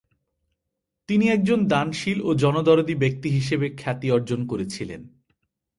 তিনি একজন দানশীল ও জনদরদী ব্যক্তি হিসেবে খ্যাতি অর্জন করেছিলেন।